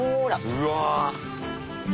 うわ！